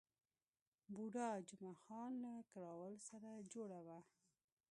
بوډا جمعه خان له کراول سره جوړه وه.